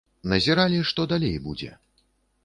Назіралі, што далей будзе.